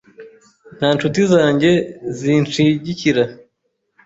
Nta nshuti zanjye zinshigikira .